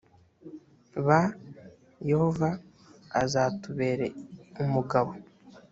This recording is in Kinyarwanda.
b yehova azatubere umugabo